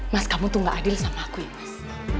mas kamu tuh gak adil sama aku ya mas